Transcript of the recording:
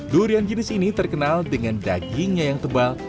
durian jenis ini terkenal dengan dagingnya yang tebal